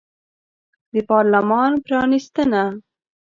د پارلمان پرانیستنه